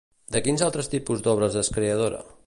De quins altres tipus d'obres és creadora?